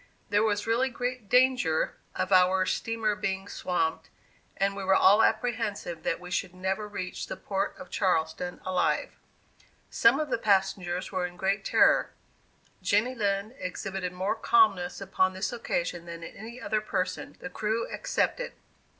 There was really great danger of our steamer being swamped, and we were all apprehensive that we should never reach the Port of Charleston alive. Some of the passengers were in great terror. Jenny Lind exhibited more calmness upon this occasion than any other person, the crew excepted.